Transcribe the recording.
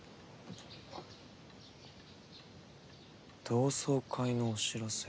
「同窓会のお知らせ」。